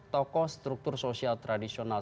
tokoh struktur sosial tradisional